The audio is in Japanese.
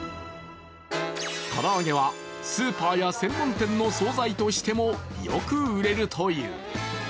唐揚げはスーパーや専門店の総菜としても、よく売れるという。